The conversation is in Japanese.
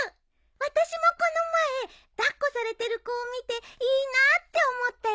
私もこの前抱っこされてる子を見ていいなって思ったよ。